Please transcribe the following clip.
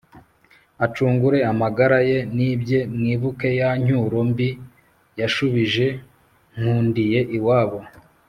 acungure amagara ye n'ibye mwibuke ya ncyuro mbi yashubije nkundiye iwabo